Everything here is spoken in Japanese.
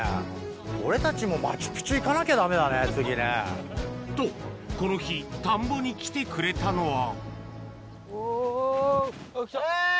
俺たちもマチュピチュ行かなきゃだめだね、と、この日、田んぼに来てくおーい。